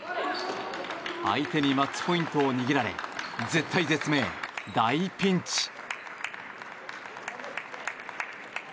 相手にマッチポイントを握られ絶体絶命、大ピンチ。